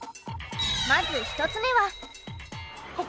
まず１つ目は。